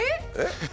えっ？